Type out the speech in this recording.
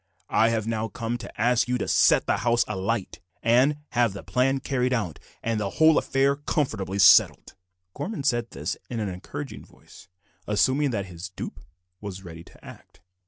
"I have now come to ask you to set the house alight, and have the plan carried out, and the whole affair comfortably settled." Gorman said this in an encouraging voice, assuming that his dupe was ready to act.